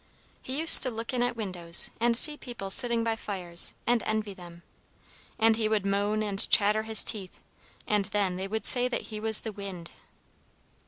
"He used to look in at windows and see people sitting by fires, and envy them. And he would moan and chatter his teeth, and then they would say that he was the wind."